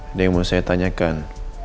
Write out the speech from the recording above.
ada yang mau saya tanyakan